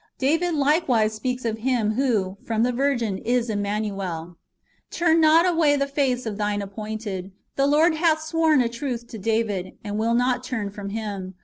^ David likewise speaks of Him who, from the virgin, is Emmanuel :" Turn not away the face of Thine anointed. The Lord hath sworn a truth to David, and will not turn from him.